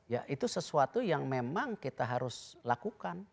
ya itu sesuatu yang memang kita harus lakukan